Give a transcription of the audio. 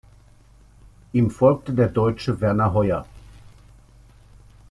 Ihm folgte der Deutsche Werner Hoyer.